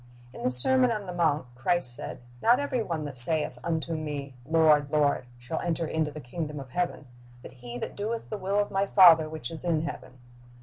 In the sermon on the mount Christ said, " Not every one that saith unto Me, Lord, Lord, shall enter into the kingdom of heaven; but he that doeth the will of My Father which is in heaven."